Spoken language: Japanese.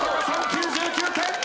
９９点。